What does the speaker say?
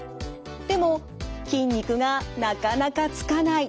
でも筋肉がなかなかつかない。